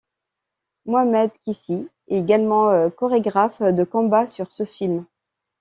Mohamed Qissi est également chorégraphe de combats sur ce film.